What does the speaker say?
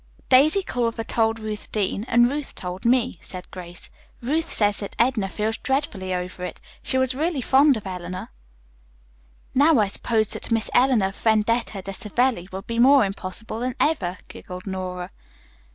"Daisy Culver told Ruth Deane, and Ruth told me," said Grace. "Ruth says that Edna feels dreadfully over it. She was really fond of Eleanor." "Now I suppose that Miss Eleanor Vendetta de Savelli will be more impossible than ever," giggled Nora.